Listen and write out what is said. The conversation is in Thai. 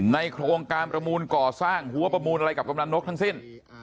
โครงการประมูลก่อสร้างหัวประมูลอะไรกับกำลังนกทั้งสิ้น